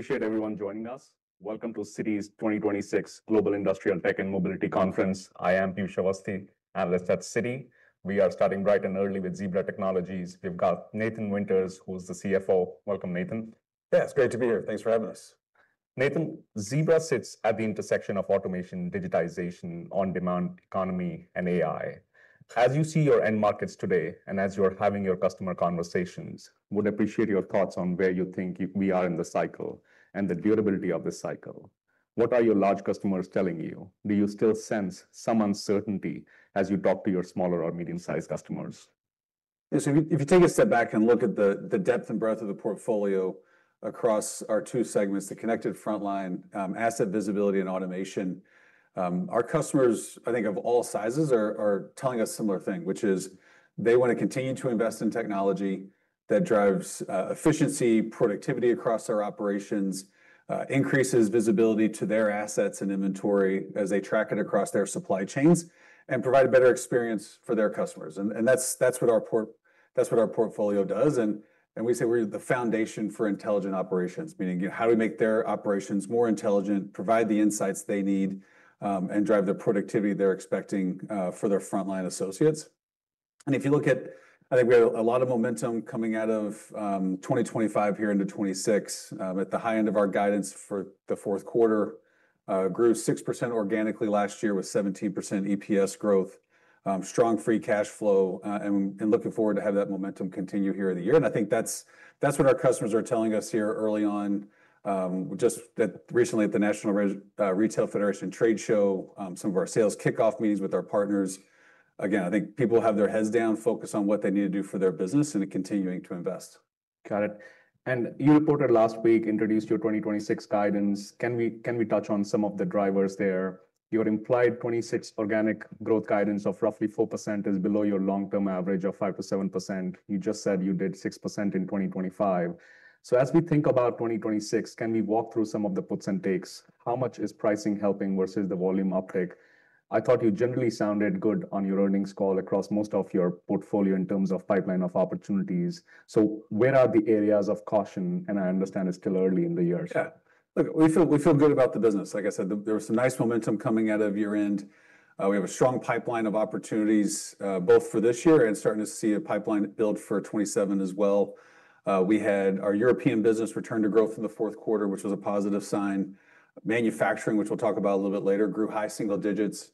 Appreciate everyone joining us. Welcome to Citi's 2026 Global Industrial Tech and Mobility Conference. I am Piyush Avasthy, analyst at Citi. We are starting bright and early with Zebra Technologies. We've got Nathan Winters, who is the CFO. Welcome, Nathan. Yeah, it's great to be here. Thanks for having us. Nathan, Zebra sits at the intersection of automation, digitization, on-demand economy, and AI. As you see your end markets today, and as you are having your customer conversations, would appreciate your thoughts on where you think we are in the cycle and the durability of this cycle. What are your large customers telling you? Do you still sense some uncertainty as you talk to your smaller or medium-sized customers? Yes, if you take a step back and look at the depth and breadth of the portfolio across our two segments, the Connected Frontline, Asset Visibility and Automation, our customers, I think of all sizes, are telling us similar thing, which is, they want to continue to invest in technology that drives efficiency, productivity across our operations, increases visibility to their assets and inventory as they track it across their supply chains, and provide a better experience for their customers. That's what our portfolio does. We say we're the foundation for intelligent operations, meaning, how do we make their operations more intelligent, provide the insights they need, and drive the productivity they're expecting for their frontline associates? If you look at, I think we have a lot of momentum coming out of 2025 here into 2026. At the high end of our guidance for the fourth quarter, grew 6% organically last year, with 17% EPS growth, strong free cash flow, and looking forward to have that momentum continue here in the year. I think that's what our customers are telling us here early on. Just that recently at the National Retail Federation trade show, some of our sales kickoff meetings with our partners. Again, I think people have their heads down, focused on what they need to do for their business and continuing to invest. Got it. And you reported last week, introduced your 2026 guidance. Can we, can we touch on some of the drivers there? Your implied 2026 organic growth guidance of roughly 4% is below your long-term average of 5%-7%. You just said you did 6% in 2025. So as we think about 2026, can we walk through some of the puts and takes? How much is pricing helping versus the volume uptick? I thought you generally sounded good on your earnings call across most of your portfolio in terms of pipeline of opportunities. So where are the areas of caution? And I understand it's still early in the year, so- Yeah. Look, we feel, we feel good about the business. Like I said, there was some nice momentum coming out of year-end. We have a strong pipeline of opportunities, both for this year and starting to see a pipeline build for 2027 as well. We had our European business return to growth in the fourth quarter, which was a positive sign. Manufacturing, which we'll talk about a little bit later, grew high single digits,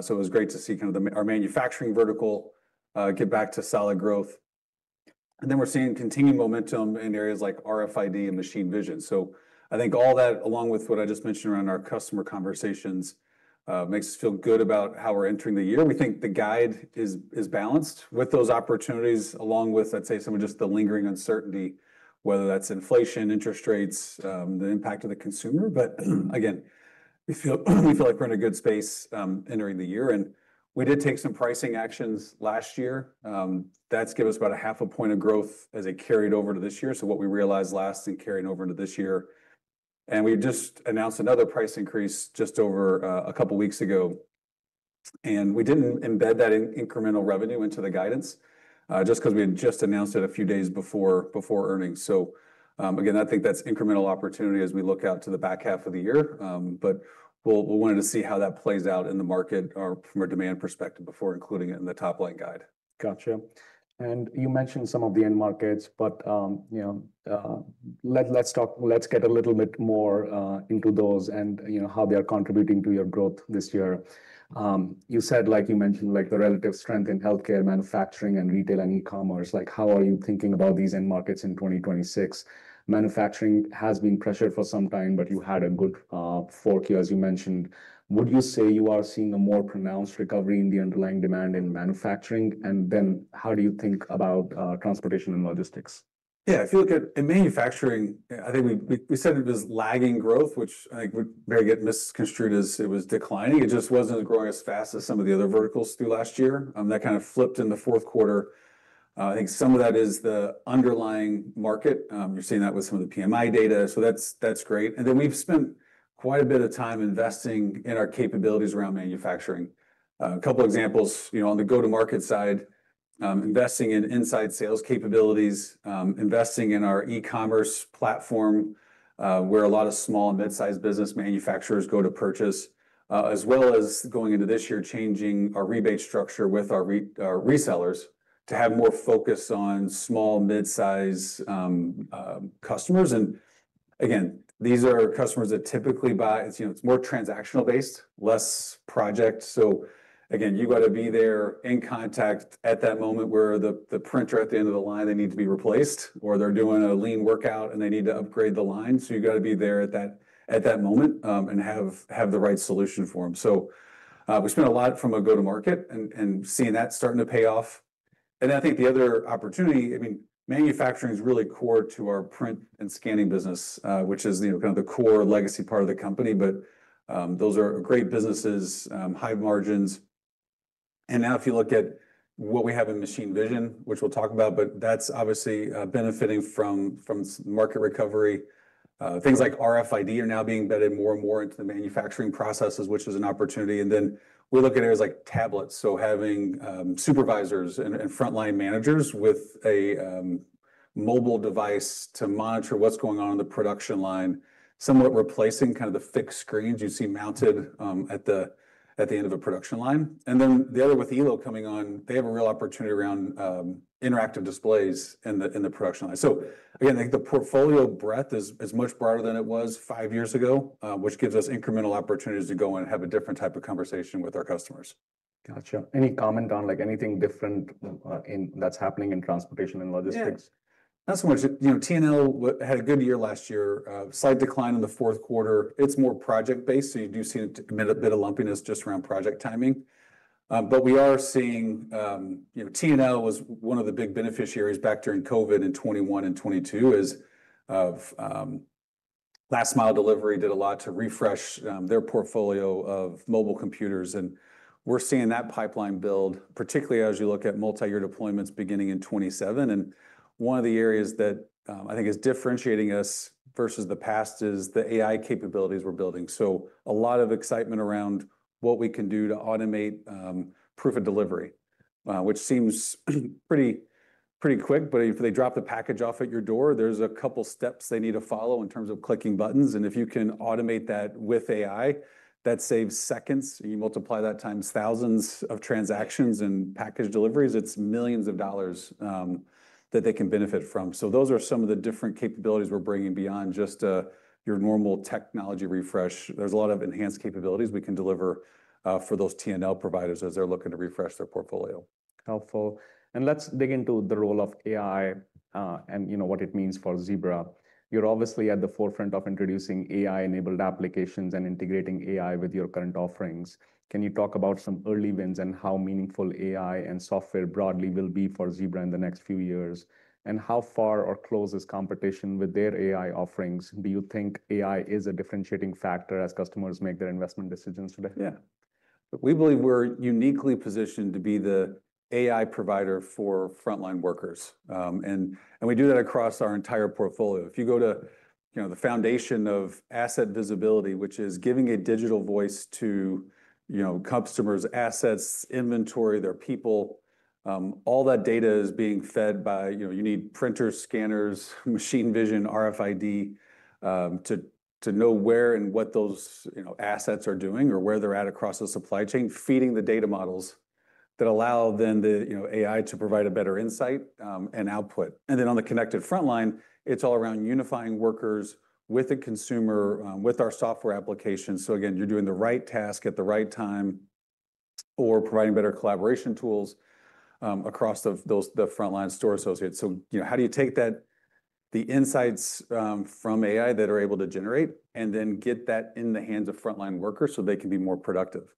so it was great to see kind of the-- our manufacturing vertical, get back to solid growth. Then we're seeing continued momentum in areas like RFID and machine vision. So I think all that, along with what I just mentioned around our customer conversations, makes us feel good about how we're entering the year. We think the guide is balanced with those opportunities, along with, let's say, some of just the lingering uncertainty, whether that's inflation, interest rates, the impact of the consumer. But, again, we feel like we're in a good space, entering the year, and we did take some pricing actions last year. That's given us about 0.5 point of growth as it carried over to this year. So what we realized last year carried over into this year. And we just announced another price increase just over a couple weeks ago, and we didn't embed that in incremental revenue into the guidance, just because we had just announced it a few days before earnings. So, again, I think that's incremental opportunity as we look out to the back half of the year. But we wanted to see how that plays out in the market or from a demand perspective before including it in the top-line guide. Gotcha. And you mentioned some of the end markets, but, you know, let's get a little bit more into those and, you know, how they are contributing to your growth this year. You said, like you mentioned, like the relative strength in healthcare, manufacturing, and retail, and e-commerce, like, how are you thinking about these end markets in 2026? Manufacturing has been pressured for some time, but you had a good fourth quarter, as you mentioned. Would you say you are seeing a more pronounced recovery in the underlying demand in manufacturing? And then how do you think about transportation and logistics? Yeah, if you look at in manufacturing, I think we said it was lagging growth, which I think would very get misconstrued as it was declining. It just wasn't growing as fast as some of the other verticals through last year, and that kind of flipped in the fourth quarter. I think some of that is the underlying market. You're seeing that with some of the PMI data, so that's great. And then we've spent quite a bit of time investing in our capabilities around manufacturing. A couple examples, you know, on the go-to-market side, investing in inside sales capabilities, investing in our e-commerce platform, where a lot of small and mid-sized business manufacturers go to purchase. As well as going into this year, changing our rebate structure with our resellers, to have more focus on small and mid-size customers. And again, these are customers that typically buy... It's, you know, it's more transactional-based, less project. So again, you got to be there in contact at that moment where the printer at the end of the line, they need to be replaced, or they're doing a lean workout, and they need to upgrade the line. So you've got to be there at that moment, and have the right solution for them. So, we spent a lot from a go-to-market and seeing that starting to pay off. And I think the other opportunity, I mean, manufacturing is really core to our print and scanning business, which is, you know, kind of the core legacy part of the company. But, those are great businesses, high margins. And now if you look at what we have in machine vision, which we'll talk about, but that's obviously, benefiting from market recovery. Things like RFID are now being embedded more and more into the manufacturing processes, which is an opportunity, and then we look at areas like tablets. So having, supervisors and frontline managers with a mobile device to monitor what's going on in the production line, somewhat replacing kind of the fixed screens you'd see mounted, at the end of a production line. Then the other, with Elo coming on, they have a real opportunity around interactive displays in the production line. So again, I think the portfolio breadth is much broader than it was five years ago, which gives us incremental opportunities to go in and have a different type of conversation with our customers. Gotcha. Any comment on, like, anything different that's happening in transportation and logistics? Yeah. Not so much. You know, T&L had a good year last year, slight decline in the fourth quarter. It's more project-based, so you do see a bit, a bit of lumpiness just around project timing. But we are seeing, you know, T&L was one of the big beneficiaries back during COVID in 2021 and 2022, is of last mile delivery did a lot to refresh their portfolio of mobile computers, and we're seeing that pipeline build, particularly as you look at multi-year deployments beginning in 2027. And one of the areas that I think is differentiating us versus the past is the AI capabilities we're building. So a lot of excitement around what we can do to automate, proof of delivery, which seems pretty, pretty quick, but if they drop the package off at your door, there's a couple steps they need to follow in terms of clicking buttons, and if you can automate that with AI, that saves seconds. You multiply that times thousands of transactions and package deliveries, it's millions of dollars that they can benefit from. So those are some of the different capabilities we're bringing beyond just your normal technology refresh. There's a lot of enhanced capabilities we can deliver for those T&L providers as they're looking to refresh their portfolio. Helpful. Let's dig into the role of AI, and you know, what it means for Zebra. You're obviously at the forefront of introducing AI-enabled applications and integrating AI with your current offerings. Can you talk about some early wins, and how meaningful AI and software broadly will be for Zebra in the next few years? And how far or close is competition with their AI offerings? Do you think AI is a differentiating factor as customers make their investment decisions today? Yeah. We believe we're uniquely positioned to be the AI provider for frontline workers, and we do that across our entire portfolio. If you go to, you know, the foundation of asset visibility, which is giving a digital voice to, you know, customers, assets, inventory, their people, all that data is being fed by... You know, you need printers, scanners, machine vision, RFID, to know where and what those, you know, assets are doing, or where they're at across the supply chain, feeding the data models that allow then the, you know, AI to provide a better insight, and output. And then, on the connected frontline, it's all around unifying workers with the consumer, with our software application. So again, you're doing the right task at the right time or providing better collaboration tools, across the, those, the frontline store associates. So, you know, how do you take that, the insights, from AI that are able to generate, and then get that in the hands of frontline workers, so they can be more productive?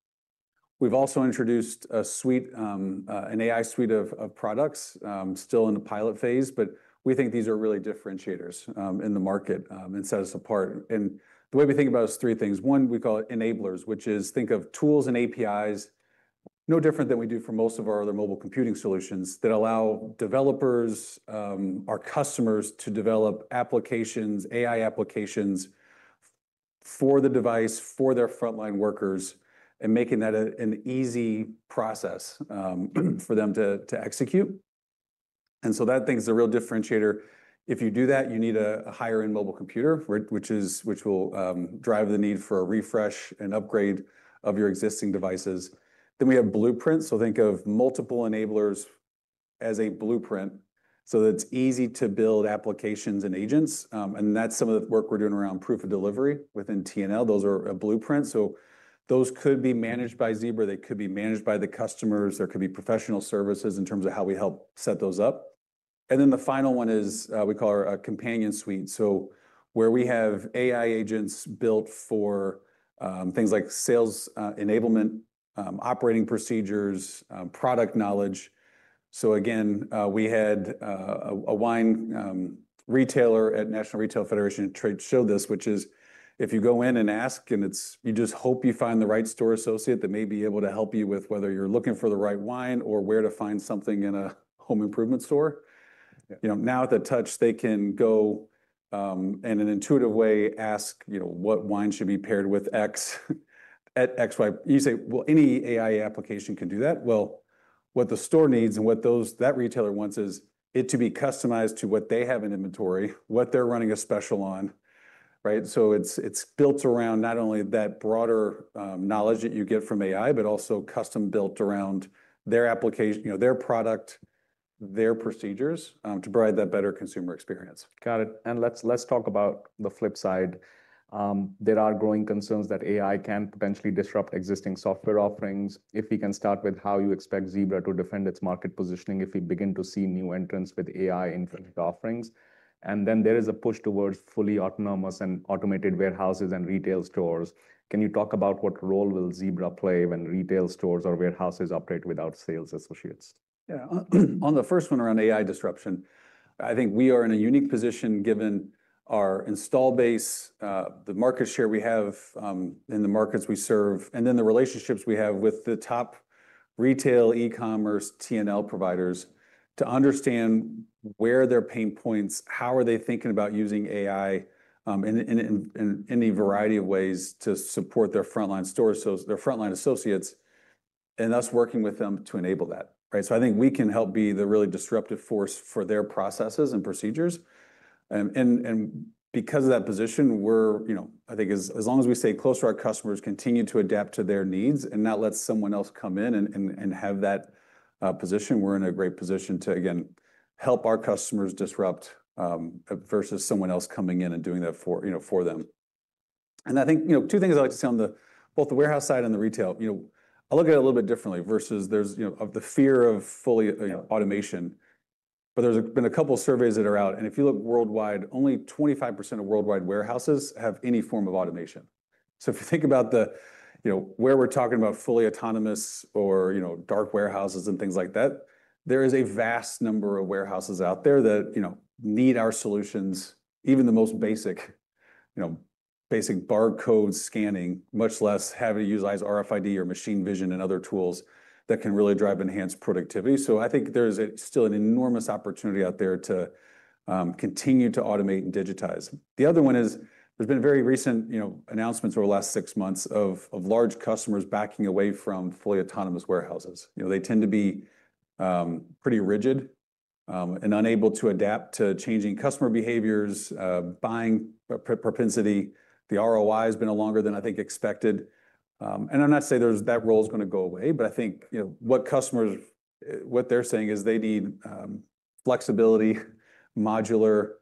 We've also introduced a suite, an AI suite of products, still in the pilot phase, but we think these are really differentiators, in the market, and sets us apart. And the way we think about it is three things: One, we call it Enablers, which is think of tools and APIs, no different than we do for most of our other mobile computing solutions, that allow developers, our customers, to develop applications, AI applications, for the device, for their frontline workers, and making that an easy process, for them to execute. And so that thing is a real differentiator. If you do that, you need a higher-end mobile computer, which is-- which will drive the need for a refresh and upgrade of your existing devices. Then we have Blueprints. So think of multiple enablers as a blueprint, so that it's easy to build applications and agents, and that's some of the work we're doing around proof of delivery within T&L. Those are a blueprints so those could be managed by Zebra, they could be managed by the customers, or there could be professional services in terms of how we help set those up. And then the final one is, we call our Companion Suite, so where we have AI agents built for things like sales enablement, operating procedures, product knowledge. So again, we had a wine retailer at National Retail Federation trade show, which is if you go in and ask, and it's you just hope you find the right store associate that may be able to help you with whether you're looking for the right wine or where to find something in a home improvement store. Yeah. You know, now at the touch, they can go, in an intuitive way, ask, you know, what wine should be paired with X at XY- You say, well, any AI application can do that. Well, what the store needs and what those, that retailer wants is it to be customized to what they have in inventory, what they're running a special on, right? So it's, it's built around not only that broader, knowledge that you get from AI, but also custom-built around their application, you know, their product, their procedures, to provide that better consumer experience. Got it. And let's talk about the flip side. There are growing concerns that AI can potentially disrupt existing software offerings. If we can start with how you expect Zebra to defend its market positioning if we begin to see new entrants with AI-infused offerings. And then, there is a push towards fully autonomous and automated warehouses and retail stores. Can you talk about what role will Zebra play when retail stores or warehouses operate without sales associates? Yeah. On the first one, around AI disruption, I think we are in a unique position given our install base, the market share we have, in the markets we serve, and then the relationships we have with the top retail, e-commerce, T&L providers, to understand where are their pain points, how are they thinking about using AI, in a variety of ways to support their frontline stores, so their frontline associates... and us working with them to enable that, right? So I think we can help be the really disruptive force for their processes and procedures. And because of that position, we're, you know, I think as long as we stay close to our customers, continue to adapt to their needs, and not let someone else come in and have that position, we're in a great position to, again, help our customers disrupt versus someone else coming in and doing that for, you know, for them. And I think, you know, two things I'd like to say on both the warehouse side and the retail, you know, I'll look at it a little bit differently versus there's, you know, of the fear of fully, you know, automation. But there's been a couple of surveys that are out, and if you look worldwide, only 25% of worldwide warehouses have any form of automation. So if you think about the, you know, where we're talking about fully autonomous or, you know, dark warehouses and things like that, there is a vast number of warehouses out there that, you know, need our solutions, even the most basic, you know, basic barcode scanning, much less having to utilize RFID or machine vision and other tools that can really drive enhanced productivity. So I think there's still an enormous opportunity out there to continue to automate and digitize. The other one is there's been very recent, you know, announcements over the last six months of large customers backing away from fully autonomous warehouses. You know, they tend to be pretty rigid and unable to adapt to changing customer behaviors, buying propensity. The ROI has been a longer than I think expected. And I'm not saying there's that role is going to go away, but I think, you know, what customers, what they're saying is they need flexibility, modular,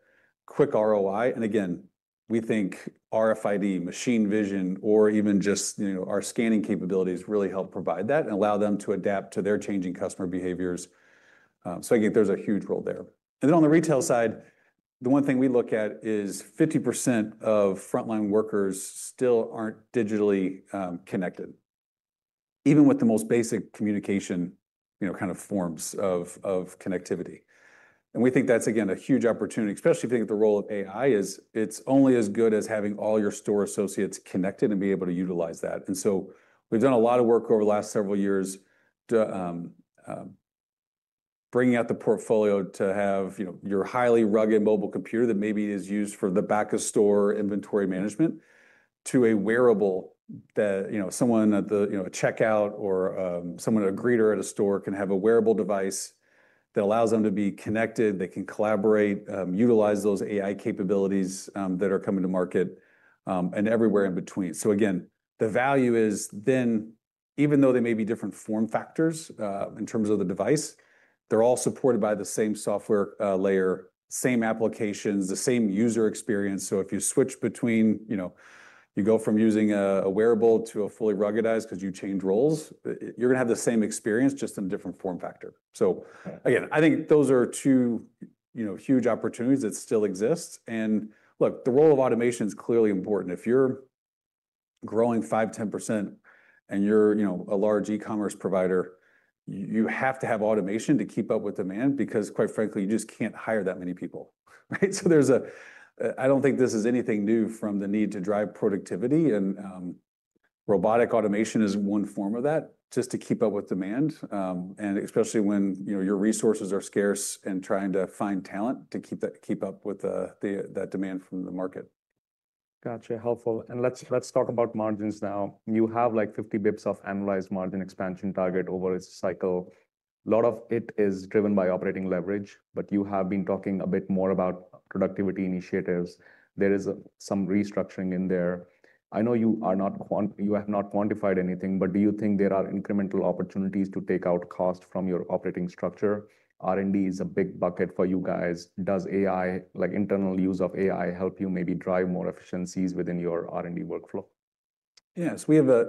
quick ROI. And again, we think RFID, machine vision or even just, you know, our scanning capabilities really help provide that and allow them to adapt to their changing customer behaviors. So again, there's a huge role there. And then on the retail side, the one thing we look at is 50% of frontline workers still aren't digitally connected, even with the most basic communication, you know, kind of forms of connectivity. And we think that's, again, a huge opportunity, especially if you think of the role of AI is it's only as good as having all your store associates connected and be able to utilize that. And so we've done a lot of work over the last several years to bringing out the portfolio to have, you know, your highly rugged mobile computer that maybe is used for the back-of-store inventory management, to a wearable that, you know, someone at the, you know, a checkout or, someone, a greeter at a store can have a wearable device that allows them to be connected. They can collaborate, utilize those AI capabilities that are coming to market, and everywhere in between. So again, the value is then, even though they may be different form factors, in terms of the device, they're all supported by the same software layer, same applications, the same user experience. So if you switch between, you know, you go from using a wearable to a fully ruggedized because you change roles, you're gonna have the same experience, just in a different form factor. So again, I think those are two, you know, huge opportunities that still exist. And look, the role of automation is clearly important. If you're growing 5%-10% and you're, you know, a large e-commerce provider, you have to have automation to keep up with demand because quite frankly, you just can't hire that many people, right? So, I don't think this is anything new from the need to drive productivity and robotic automation is one form of that, just to keep up with demand, and especially when, you know, your resources are scarce and trying to find talent to keep up with that demand from the market. Gotcha. Helpful. And let's, let's talk about margins now. You have, like, 50 bps of annualized margin expansion target over its cycle. A lot of it is driven by operating leverage, but you have been talking a bit more about productivity initiatives. There is some restructuring in there. I know you are not, you have not quantified anything, but do you think there are incremental opportunities to take out cost from your operating structure? R&D is a big bucket for you guys. Does AI, like internal use of AI, help you maybe drive more efficiencies within your R&D workflow? Yes, we have, I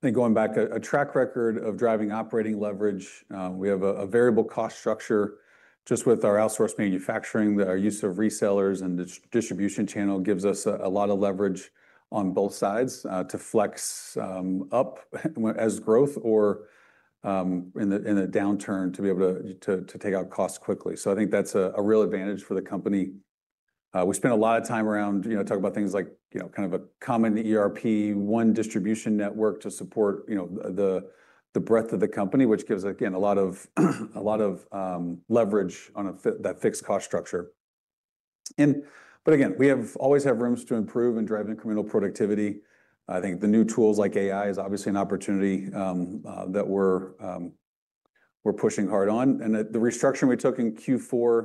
think, going back, a track record of driving operating leverage. We have a variable cost structure just with our outsourced manufacturing. Our use of resellers and distribution channel gives us a lot of leverage on both sides, to flex up as growth or in a downturn, to be able to take out costs quickly. So I think that's a real advantage for the company. We spent a lot of time around, you know, talking about things like, you know, kind of a common ERP, one distribution network to support, you know, the breadth of the company, which gives, again, a lot of leverage on that fixed cost structure. But again, we always have room to improve and drive incremental productivity. I think the new tools like AI is obviously an opportunity that we're pushing hard on. The restructuring we took in Q4,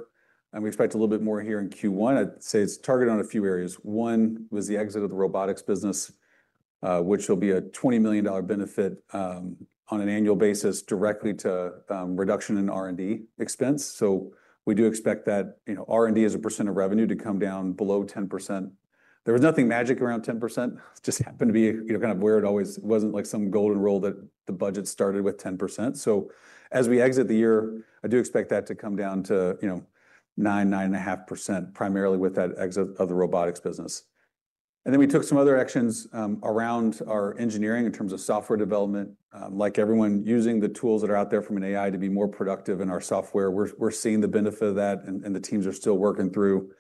and we expect a little bit more here in Q1, I'd say it's targeted on a few areas. One was the exit of the robotics business, which will be a $20 million benefit on an annual basis, directly to reduction in R&D expense. So we do expect that, you know, R&D as a percent of revenue to come down below 10%. There was nothing magic around 10%, just happened to be, you know, kind of where it always wasn't like some golden rule that the budget started with 10%. So as we exit the year, I do expect that to come down to, you know, 9%-9.5%, primarily with that exit of the robotics business. And then we took some other actions around our engineering in terms of software development. Like everyone, using the tools that are out there from an AI to be more productive in our software, we're seeing the benefit of that, and the teams are still working through,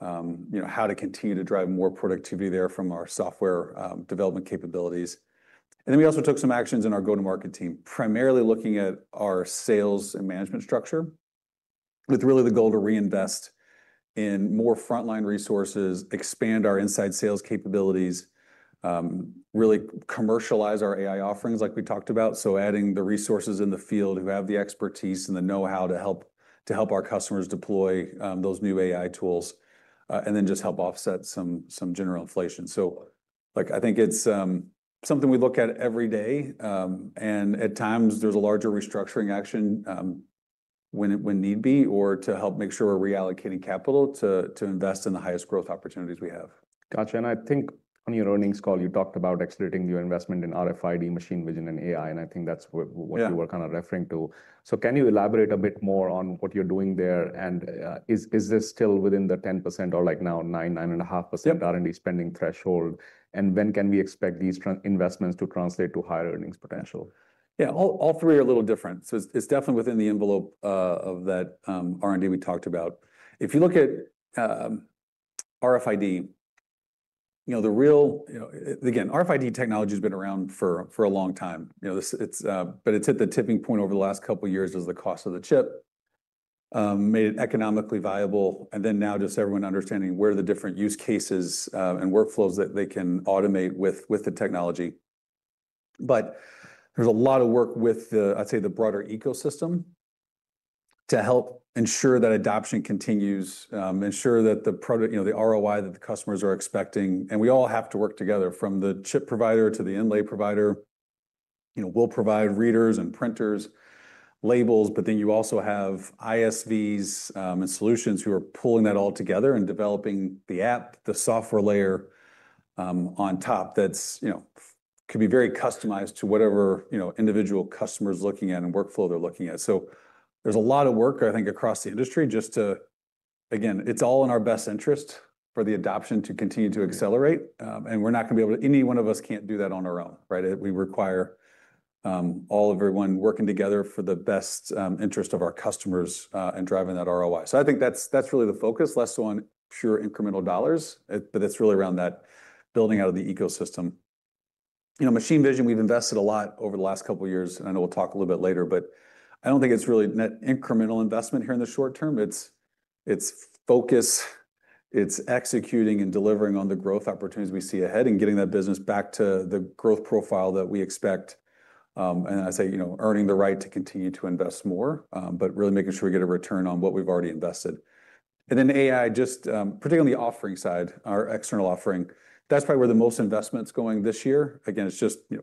you know, how to continue to drive more productivity there from our software development capabilities. And then we also took some actions in our go-to-market team, primarily looking at our sales and management structure. With really the goal to reinvest in more frontline resources, expand our inside sales capabilities, really commercialize our AI offerings, like we talked about. Adding the resources in the field who have the expertise and the know-how to help our customers deploy those new AI tools, and then just help offset some general inflation. Like, I think it's something we look at every day, and at times there's a larger restructuring action, when need be, or to help make sure we're reallocating capital to invest in the highest growth opportunities we have. Got you. And I think on your earnings call, you talked about accelerating your investment in RFID, machine vision, and AI, and I think that's what- Yeah... you were kind of referring to. So can you elaborate a bit more on what you're doing there? And, is this still within the 10% or like now 9%-9.5%- Yep... R&D spending threshold? And when can we expect these investments to translate to higher earnings potential? Yeah, all three are a little different. So it's definitely within the envelope of that R&D we talked about. If you look at RFID, you know, again, RFID technology has been around for a long time. You know, it's. But it's hit the tipping point over the last couple of years as the cost of the chip made it economically viable, and then now just everyone understanding where are the different use cases and workflows that they can automate with the technology. But there's a lot of work with the, I'd say, the broader ecosystem to help ensure that adoption continues, ensure that the product. You know, the ROI that the customers are expecting. And we all have to work together, from the chip provider to the inlay provider. You know, we'll provide readers and printers, labels, but then you also have ISVs, and solutions who are pulling that all together and developing the app, the software layer, on top that's, you know, could be very customized to whatever, you know, individual customer is looking at and workflow they're looking at. So there's a lot of work, I think, across the industry just to again, it's all in our best interest for the adoption to continue to accelerate, and we're not going to be able to any one of us can't do that on our own, right? We require, all of everyone working together for the best, interest of our customers, and driving that ROI. So I think that's, that's really the focus, less so on pure incremental dollars, but it's really around that building out of the ecosystem. You know, machine vision, we've invested a lot over the last couple of years, and I know we'll talk a little bit later, but I don't think it's really net incremental investment here in the short term. It's focus, it's executing and delivering on the growth opportunities we see ahead and getting that business back to the growth profile that we expect. And I say, you know, earning the right to continue to invest more, but really making sure we get a return on what we've already invested. And then AI, just particularly on the offering side, our external offering, that's probably where the most investment is going this year. Again, it's just, you know,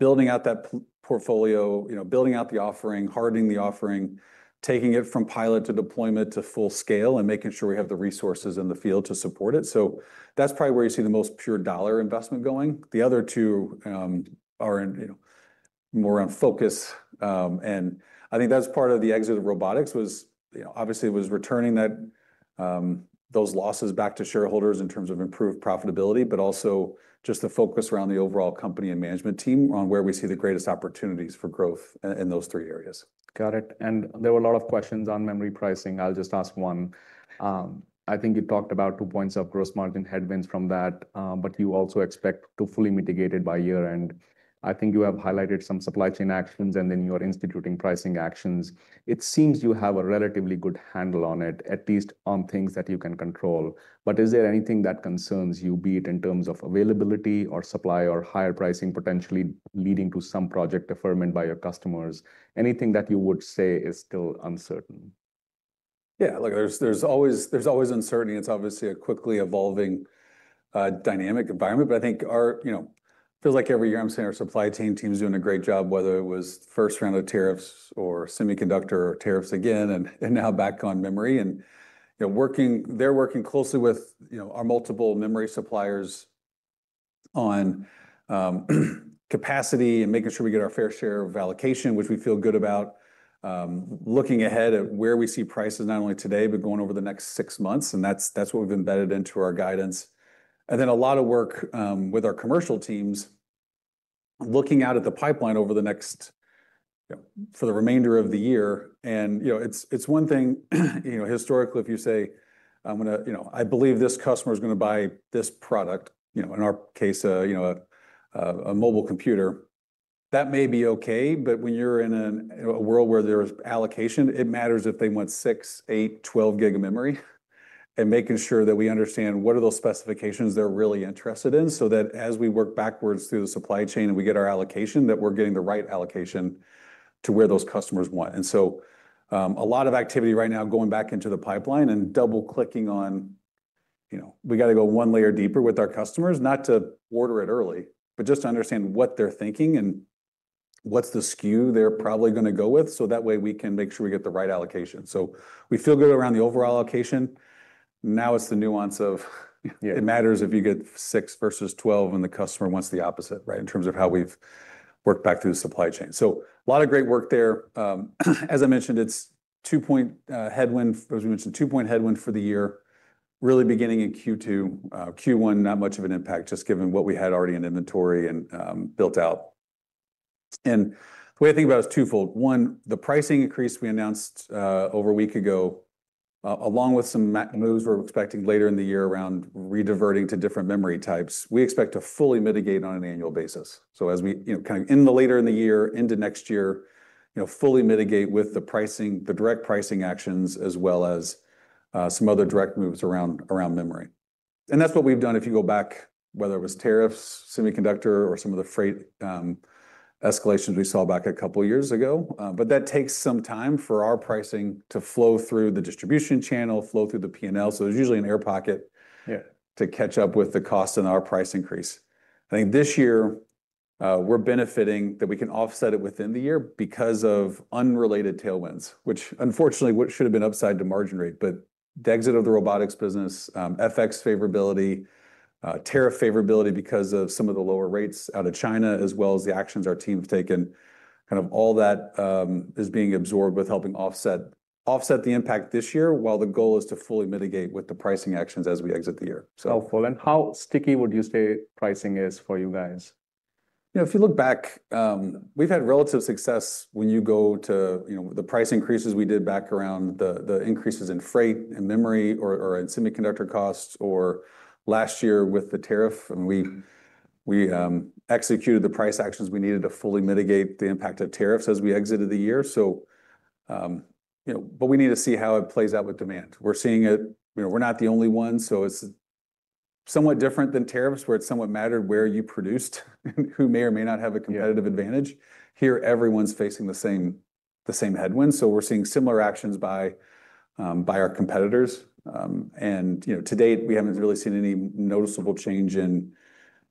building out that portfolio, you know, building out the offering, hardening the offering, taking it from pilot to deployment to full scale, and making sure we have the resources in the field to support it. So that's probably where you see the most pure dollar investment going. The other two are, you know, more on focus, and I think that's part of the exit of robotics was, you know, obviously it was returning that those losses back to shareholders in terms of improved profitability, but also just the focus around the overall company and management team on where we see the greatest opportunities for growth in those three areas. Got it. And there were a lot of questions on memory pricing. I'll just ask one. I think you talked about two points of gross margin headwinds from that, but you also expect to fully mitigate it by year-end. I think you have highlighted some supply chain actions, and then you are instituting pricing actions. It seems you have a relatively good handle on it, at least on things that you can control. But is there anything that concerns you, be it in terms of availability, or supply, or higher pricing, potentially leading to some project deferment by your customers? Anything that you would say is still uncertain? Yeah, look, there's always uncertainty. It's obviously a quickly evolving, dynamic environment. But I think our, you know, feels like every year I'm saying our supply chain team is doing a great job, whether it was the first round of tariffs or semiconductor tariffs again, and now back on memory and they're working closely with, you know, our multiple memory suppliers on capacity and making sure we get our fair share of allocation, which we feel good about. Looking ahead at where we see prices, not only today, but going over the next six months, and that's what we've embedded into our guidance. And then a lot of work with our commercial teams, looking out at the pipeline over the next, you know, for the remainder of the year. You know, it's one thing, you know, historically, if you say: I'm gonna... You know, I believe this customer is gonna buy this product, you know, in our case, a mobile computer, that may be okay. But when you're in a world where there's allocation, it matters if they want 6, 8, 12 gig of memory. And making sure that we understand what are those specifications they're really interested in, so that as we work backwards through the supply chain and we get our allocation, that we're getting the right allocation to where those customers want. So, a lot of activity right now going back into the pipeline and double-clicking on, you know, we got to go one layer deeper with our customers, not to order it early, but just to understand what they're thinking and what's the SKU they're probably gonna go with, so that way we can make sure we get the right allocation. So we feel good around the overall allocation. Now, it's the nuance of- Yeah. It matters if you get 6 versus 12, and the customer wants the opposite, right? In terms of how we've worked back through the supply chain. So a lot of great work there. As I mentioned, it's 2-point headwind, as we mentioned, 2-point headwind for the year, really beginning in Q2. Q1, not much of an impact, just given what we had already in inventory and built out. And the way I think about it is twofold: One, the pricing increase we announced over a week ago. Along with some moves we're expecting later in the year around rediverting to different memory types, we expect to fully mitigate on an annual basis. So as we, you know, kind of in the later in the year into next year, you know, fully mitigate with the pricing, the direct pricing actions, as well as some other direct moves around, around memory. And that's what we've done. If you go back, whether it was tariffs, semiconductor, or some of the freight escalations we saw back a couple of years ago. But that takes some time for our pricing to flow through the distribution channel, flow through the P&L. So there's usually an air pocket- Yeah to catch up with the cost and our price increase. I think this year, we're benefiting that we can offset it within the year because of unrelated tailwinds, which unfortunately, what should have been upside to margin rate. But the exit of the robotics business, FX favorability, tariff favorability because of some of the lower rates out of China, as well as the actions our team have taken. Kind of all that, is being absorbed with helping offset the impact this year, while the goal is to fully mitigate with the pricing actions as we exit the year. So helpful. How sticky would you say pricing is for you guys? You know, if you look back, we've had relative success when you go to, you know, the price increases we did back around the, the increases in freight and memory or, or in semiconductor costs, or last year with the tariff, and we, we, executed the price actions we needed to fully mitigate the impact of tariffs as we exited the year. So, you know, but we need to see how it plays out with demand. We're seeing it... You know, we're not the only one, so it's somewhat different than tariffs, where it somewhat mattered where you produced, who may or may not have a competitive advantage. Yeah. Here, everyone's facing the same, the same headwinds, so we're seeing similar actions by our competitors. And, you know, to date, we haven't really seen any noticeable change in,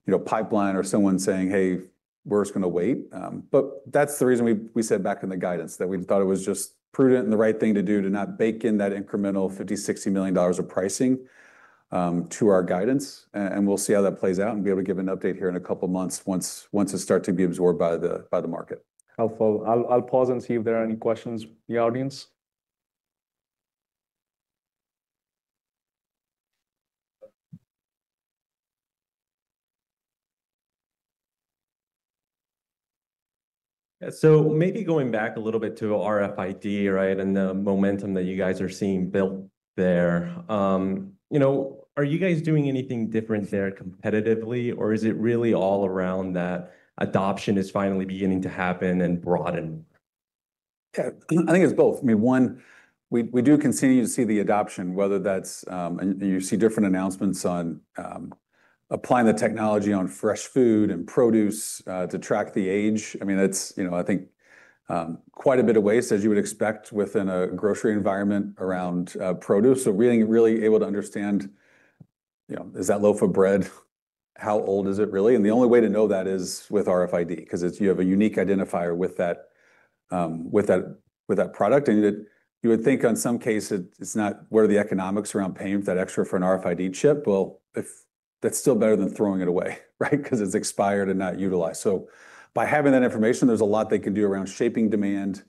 you know, pipeline or someone saying: "Hey, we're just going to wait." But that's the reason we said back in the guidance that we thought it was just prudent and the right thing to do to not bake in that incremental $50-$60 million of pricing to our guidance. And we'll see how that plays out and be able to give an update here in a couple of months, once it starts to be absorbed by the market. Helpful. I'll pause and see if there are any questions from the audience. Yeah. So maybe going back a little bit to RFID and the momentum that you guys are seeing built there. You know, are you guys doing anything different there competitively, or is it really all around that adoption is finally beginning to happen and broaden? Yeah, I think it's both. I mean, one, we, we do continue to see the adoption, whether that's. And you see different announcements on applying the technology on fresh food and produce to track the age. I mean, it's, you know, I think quite a bit of waste, as you would expect within a grocery environment around produce. So really, really able to understand, you know, is that loaf of bread, how old is it really? And the only way to know that is with RFID, 'cause it's you have a unique identifier with that, with that, with that product. And you, you would think on some cases, it's not what are the economics around paying for that extra for an RFID chip? Well, if that's still better than throwing it away, right? Because it's expired and not utilized. So by having that information, there's a lot they can do around shaping demand,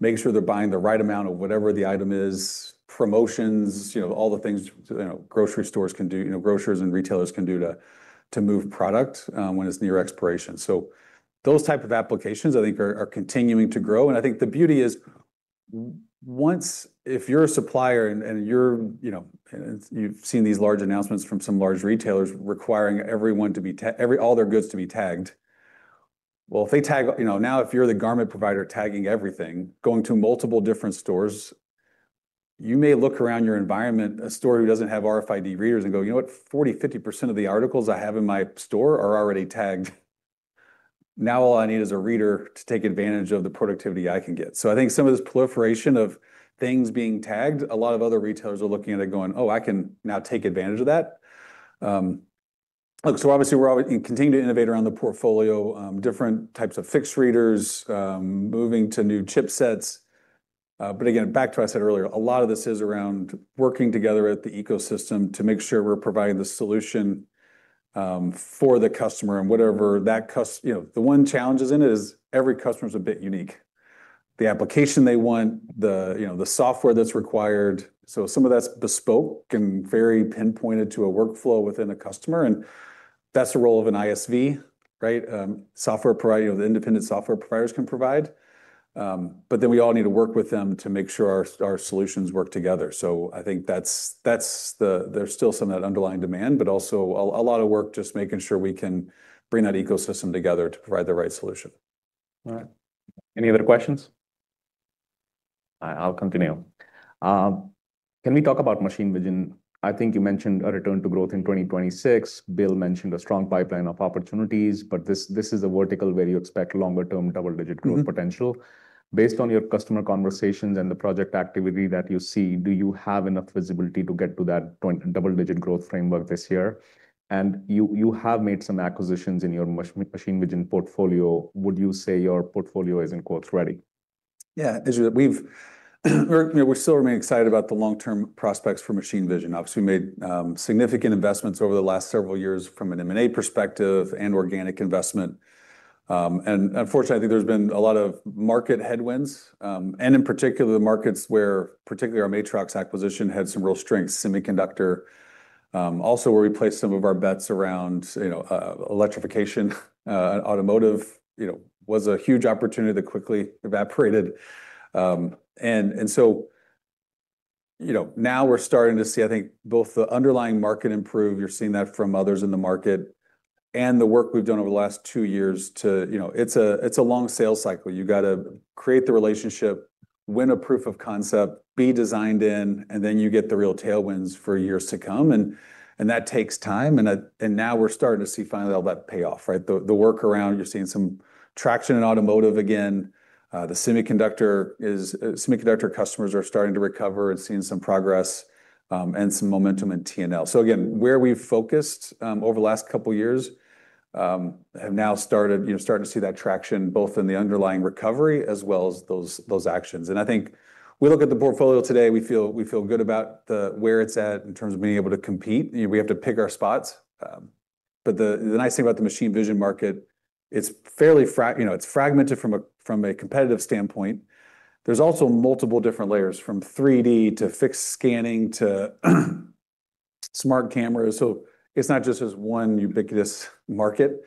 making sure they're buying the right amount of whatever the item is, promotions, you know, all the things, you know, grocery stores can do, you know, grocers and retailers can do to move product when it's near expiration. So those type of applications, I think, are continuing to grow. And I think the beauty is, once... If you're a supplier and you're, you know, you've seen these large announcements from some large retailers requiring everyone to tag every all their goods to be tagged. Well, if they tag... You know, now, if you're the garment provider, tagging everything, going to multiple different stores, you may look around your environment, a store who doesn't have RFID readers, and go: You know what? 40%-50% of the articles I have in my store are already tagged. Now, all I need is a reader to take advantage of the productivity I can get. So I think some of this proliferation of things being tagged, a lot of other retailers are looking at it going, "Oh, I can now take advantage of that." Look, so obviously, we're always continue to innovate around the portfolio, different types of fixed readers, moving to new chipsets. But again, back to what I said earlier, a lot of this is around working together with the ecosystem to make sure we're providing the solution for the customer and whatever that customer. You know, the one challenge in it is every customer is a bit unique. The application they want, you know, the software that's required, so some of that's bespoke and very pinpointed to a workflow within a customer, and that's the role of an ISV, right? Software provider, the independent software providers can provide, but then we all need to work with them to make sure our solutions work together. So I think that's, that's the—there's still some of that underlying demand, but also a lot of work just making sure we can bring that ecosystem together to provide the right solution. All right. Any other questions? I'll continue. Can we talk about machine vision? I think you mentioned a return to growth in 2026. Bill mentioned a strong pipeline of opportunities, but this, this is a vertical where you expect longer-term, double-digit growth- Mm-hmm Potential. Based on your customer conversations and the project activity that you see, do you have enough visibility to get to that point, double-digit growth framework this year? And you have made some acquisitions in your machine vision portfolio. Would you say your portfolio is, in quotes, "ready''? Yeah, as you... We've, you know, we're still remaining excited about the long-term prospects for machine vision. Obviously, we made significant investments over the last several years from an M&A perspective and organic investment. And unfortunately, I think there's been a lot of market headwinds, and in particular, the markets where particularly our Matrox acquisition had some real strength, semiconductor. Also where we placed some of our bets around, you know, electrification and automotive, you know, was a huge opportunity that quickly evaporated. And so, you know, now we're starting to see, I think, both the underlying market improve, you're seeing that from others in the market, and the work we've done over the last two years to. You know, it's a, it's a long sales cycle. You gotta create the relationship, win a proof of concept, be designed in, and then you get the real tailwinds for years to come, and that takes time. And now we're starting to see finally all that pay off, right? The work around you're seeing some traction in automotive again. The semiconductor customers are starting to recover and seeing some progress, and some momentum in TNL. So again, where we've focused over the last couple of years have now started, you know, starting to see that traction, both in the underlying recovery as well as those actions. And I think we look at the portfolio today, we feel good about where it's at in terms of being able to compete. You know, we have to pick our spots, but the nice thing about the machine vision market, it's fairly fragmented, you know, from a competitive standpoint. There's also multiple different layers, from 3D to fixed scanning to smart cameras. So it's not just as one ubiquitous market.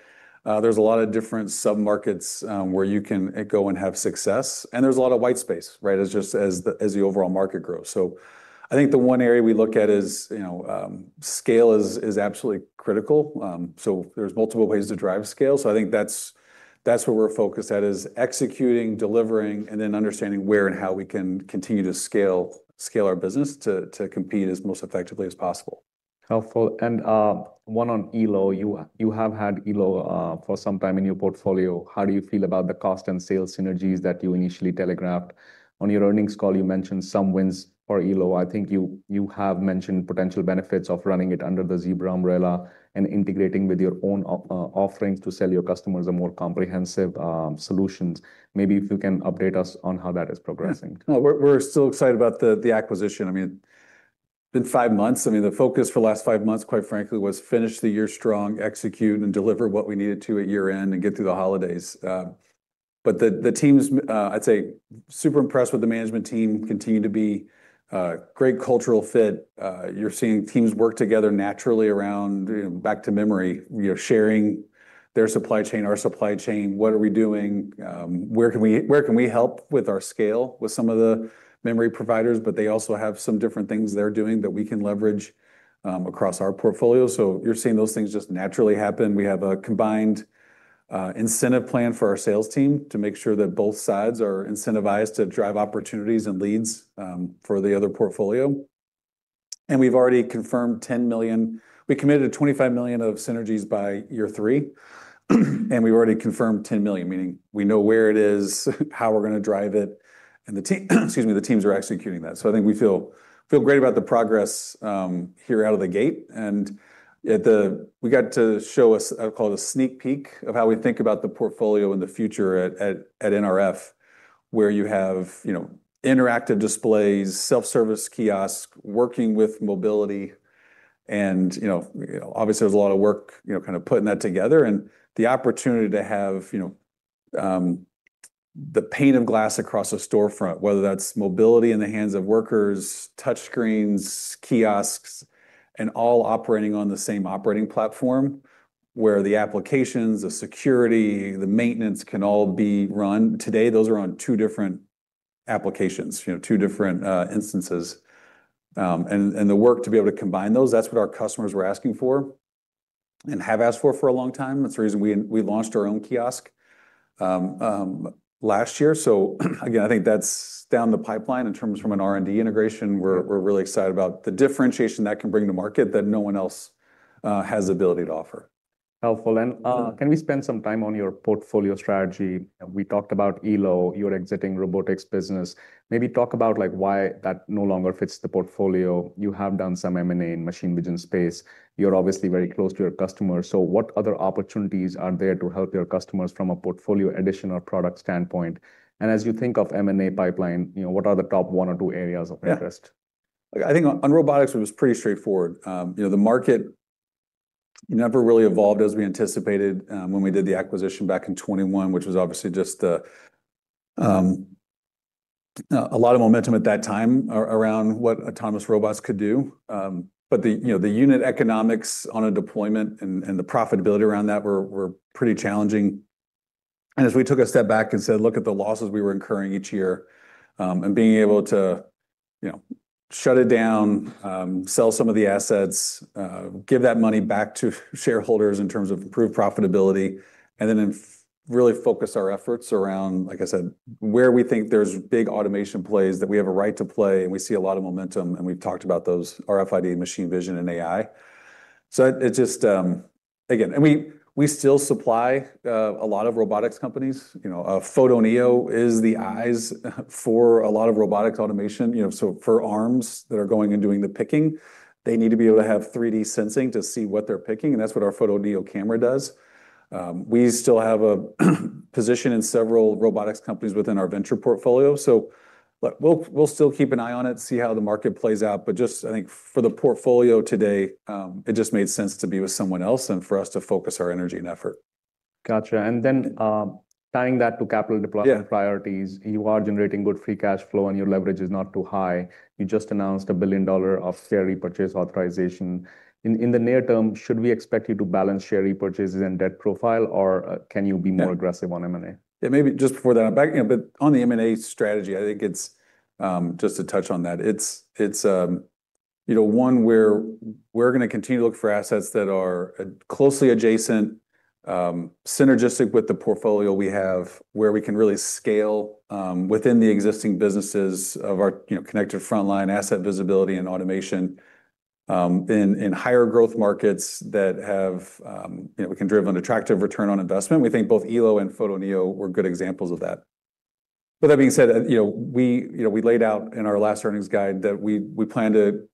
There's a lot of different submarkets, where you can go and have success, and there's a lot of white space, right? As the overall market grows. So I think the one area we look at is, you know, scale is absolutely critical. So there's multiple ways to drive scale. So I think that's where we're focused at, is executing, delivering, and then understanding where and how we can continue to scale our business to compete as most effectively as possible. Helpful. And, one on Elo, you, you have had Elo, for some time in your portfolio. How do you feel about the cost and sales synergies that you initially telegraphed? On your earnings call, you mentioned some wins for Elo. I think you, you have mentioned potential benefits of running it under the Zebra umbrella and integrating with your own offerings to sell your customers a more comprehensive, solutions. Maybe if you can update us on how that is progressing. Yeah. Well, we're still excited about the acquisition. I mean, it's been five months. I mean, the focus for the last five months, quite frankly, was finish the year strong, execute, and deliver what we needed to at year-end, and get through the holidays. But the teams, I'd say, super impressed with the management team, continue to be a great cultural fit. You're seeing teams work together naturally around, you know, back to memory, you know, sharing their supply chain, our supply chain. What are we doing? Where can we help with our scale with some of the memory providers? But they also have some different things they're doing that we can leverage across our portfolio. So you're seeing those things just naturally happen. We have a combined incentive plan for our sales team to make sure that both sides are incentivized to drive opportunities and leads for the other portfolio. We've already confirmed $10 million. We committed $25 million of synergies by year 3, and we've already confirmed $10 million, meaning we know where it is, how we're going to drive it, and the team, excuse me, the teams are executing that. So I think we feel, feel great about the progress here out of the gate. We got to show a call it a sneak peek of how we think about the portfolio in the future at NRF, where you have, you know, interactive displays, self-service kiosk, working with mobility. You know, obviously, there's a lot of work, you know, kind of putting that together and the opportunity to have, you know, the pane of glass across a storefront, whether that's mobility in the hands of workers, touchscreens, kiosks, and all operating on the same operating platform, where the applications, the security, the maintenance can all be run. Today, those are on two different applications, you know, two different instances. And the work to be able to combine those, that's what our customers were asking for and have asked for for a long time. That's the reason we launched our own kiosk last year. So, again, I think that's down the pipeline in terms from an R&D integration. We're really excited about the differentiation that can bring to market that no one else has the ability to offer. Helpful. And, can we spend some time on your portfolio strategy? We talked about Elo, your exiting robotics business. Maybe talk about, like, why that no longer fits the portfolio. You have done some M&A in machine vision space. You're obviously very close to your customers, so what other opportunities are there to help your customers from a portfolio addition or product standpoint? And as you think of M&A pipeline, you know, what are the top one or two areas of interest? Yeah. I think on robotics, it was pretty straightforward. You know, the market never really evolved as we anticipated, when we did the acquisition back in 2021, which was obviously just the, a lot of momentum at that time around what autonomous robots could do. But the, you know, the unit economics on a deployment and the profitability around that were pretty challenging. And as we took a step back and said, look at the losses we were incurring each year, and being able to, you know, shut it down, sell some of the assets, give that money back to shareholders in terms of improved profitability, and then really focus our efforts around, like I said, where we think there's big automation plays that we have a right to play, and we see a lot of momentum, and we've talked about those, RFID, machine vision, and AI. So it just... Again, and we, we still supply a lot of robotics companies. You know, Photoneo is the eyes for a lot of robotics automation. You know, so for arms that are going and doing the picking, they need to be able to have 3D sensing to see what they're picking, and that's what our Photoneo camera does. We still have a position in several robotics companies within our venture portfolio, so we'll still keep an eye on it, see how the market plays out. But just I think for the portfolio today, it just made sense to be with someone else and for us to focus our energy and effort. Gotcha. And then, tying that to capital deployment priorities- Yeah. You are generating good free cash flow and your leverage is not too high. You just announced a $1 billion share repurchase authorization. In the near term, should we expect you to balance share repurchases and debt profile, or can you be more aggressive on M&A? Yeah, maybe just before that, back, you know, but on the M&A strategy, I think it's. Just to touch on that, it's, you know, one where we're going to continue to look for assets that are closely adjacent, synergistic with the portfolio we have, where we can really scale within the existing businesses of our, you know, connected frontline asset visibility and automation, in higher growth markets that have, you know, we can drive an attractive return on investment. We think both Elo and Photoneo were good examples of that. But that being said, you know, we, you know, we laid out in our last earnings guide that we plan to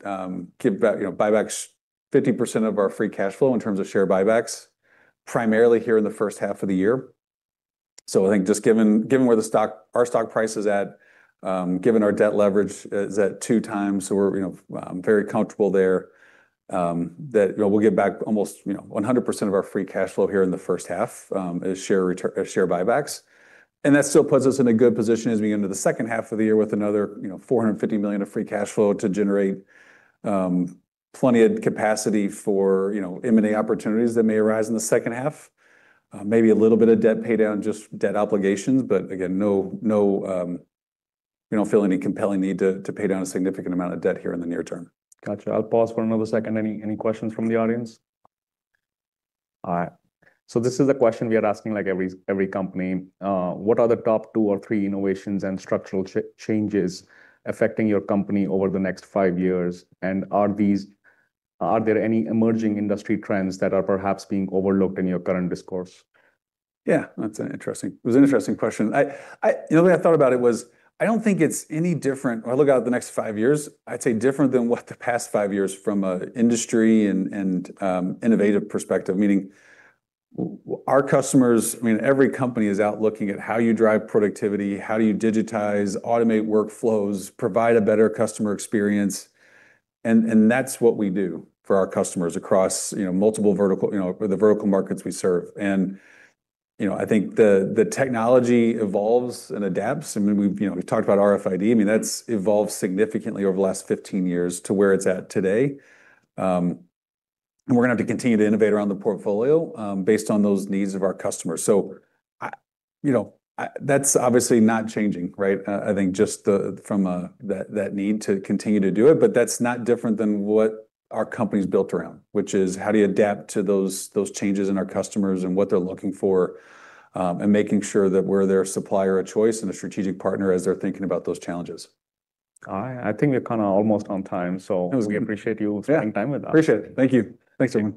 give back, you know, buybacks 50% of our free cash flow in terms of share buybacks, primarily here in the first half of the year. So I think just given where the stock—our stock price is at, given our debt leverage is at 2x, so we're, you know, very comfortable there, that, you know, we'll give back almost, you know, 100% of our free cash flow here in the first half, as share returns—as share buybacks. And that still puts us in a good position as we enter the second half of the year with another, you know, $450 million of free cash flow to generate, plenty of capacity for, you know, M&A opportunities that may arise in the second half. Maybe a little bit of debt paydown, just debt obligations, but again, no, no, we don't feel any compelling need to pay down a significant amount of debt here in the near term. Gotcha. I'll pause for another second. Any questions from the audience? All right. So this is a question we are asking, like, every company: What are the top two or three innovations and structural changes affecting your company over the next five years? And are there any emerging industry trends that are perhaps being overlooked in your current discourse? Yeah, that's an interesting... It was an interesting question. I, I—you know, what I thought about it was, I don't think it's any different—when I look out at the next five years, I'd say different than what the past five years from an industry and innovative perspective. Meaning, our customers—I mean, every company is out looking at how you drive productivity, how do you digitize, automate workflows, provide a better customer experience, and that's what we do for our customers across, you know, multiple vertical, you know, the vertical markets we serve. And, you know, I think the technology evolves and adapts. I mean, we've, you know, we've talked about RFID. I mean, that's evolved significantly over the last 15 years to where it's at today. And we're going to have to continue to innovate around the portfolio, based on those needs of our customers. So, you know, that's obviously not changing, right? I think just from that need to continue to do it, but that's not different than what our company's built around, which is how do you adapt to those changes in our customers and what they're looking for, and making sure that we're their supplier of choice and a strategic partner as they're thinking about those challenges. I think we're kind of almost on time, so- It was good. We appreciate you spending time with us. Yeah, appreciate it. Thank you. Thanks, everyone.